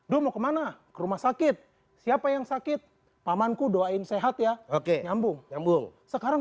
do mau kemana ke rumah sakit siapa yang sakit pamanku doain sehat ya oke nyambung nyambung sekarang